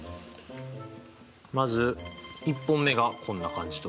まず１本目がこんな感じと。